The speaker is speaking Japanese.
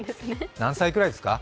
何歳ぐらいですか？